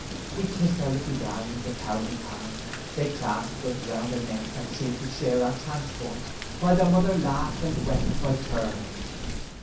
We kissed our little darlings a thousand times, they clasped us round the neck, and seemed to share our transports, while their mother laughed and wept by turns.